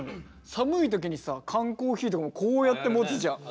寒い時にさ缶コーヒーとかもこうやって持つじゃん。